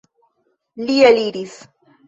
Li eliris.